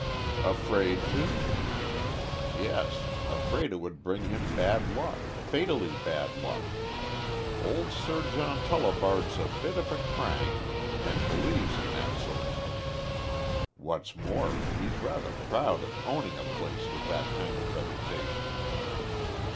"Afraid to?" "Yes. Afraid it would bring him bad luck fatally bad luck. Old Sir John Tullibard's a bit of a crank, and believes in that sort of thing. What's more, he's rather proud of owning a place with that kind of reputation."